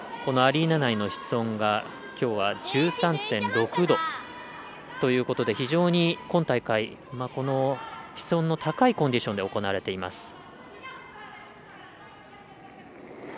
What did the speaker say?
アリーナ内の室温がきょうは１３．６度ということで非常に今大会室温の高いコンディションで行われています。